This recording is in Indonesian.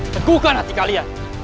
teguhkan hati kalian